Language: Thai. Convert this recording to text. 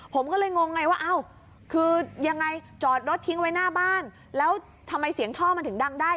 ผมก็เลยงงไงว่าอ้าวคือยังไงจอดรถทิ้งไว้หน้าบ้านแล้วทำไมเสียงท่อมันถึงดังได้